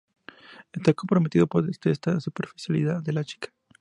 Está comprometido, pero detesta la superficialidad de la chica.